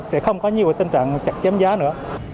và sau đấy sẽ không có nhiều tình trạng chặt chém giữ